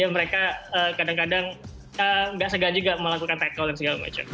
mereka kadang kadang nggak segan juga melakukan tackle dan segala macam